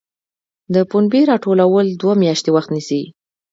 د پنبې راټولول دوه میاشتې وخت نیسي.